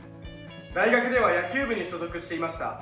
大学では野球部に所属していました。